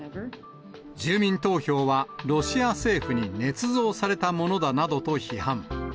住民投票はロシア政府にねつ造されたものだなどと批判。